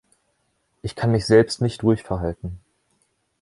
Ich kann mich selbst nicht ruhig verhalten.